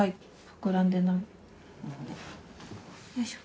膨らんでない。